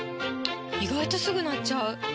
意外とすぐ鳴っちゃう！